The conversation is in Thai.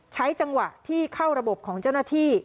ใช้จังหวะที่เข้าระบบของเจ้าหน้าที่